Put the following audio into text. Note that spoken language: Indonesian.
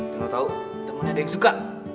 dan lo tau temennya ada yang suka